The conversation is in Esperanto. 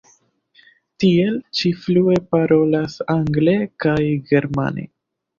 Tiel ŝi flue parolas angle kaj germane.